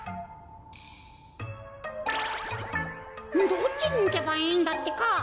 どっちにいけばいいんだってか？